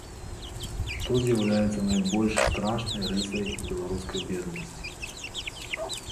Што з'яўляецца найбольш страшнай рысай беларускай беднасці?